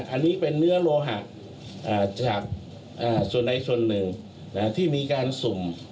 อันนี้เป็นเนื้อโลหะจากส่วนใดส่วนหนึ่งที่มีการสุ่ม